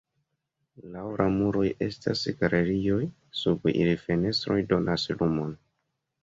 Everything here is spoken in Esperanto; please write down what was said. Laŭ la muroj estas galerioj, sub ili fenestroj donas lumon.